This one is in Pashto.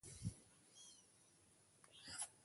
په دې حالت کې د کارګر د کار هر ساعت اته افغانۍ کېږي